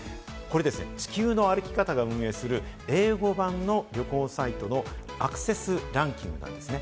『地球の歩き方』が運営する英語版の旅行サイトのアクセスランキングなんですね。